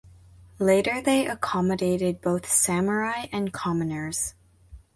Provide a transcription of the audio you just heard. Later they accommodated both samurai and commoners.